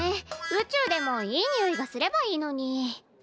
宇宙でもいいにおいがすればいいのに。